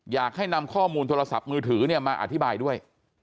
อยากให้นำข้อมูลโทรศัพท์มือถือมาอธิบายด้วย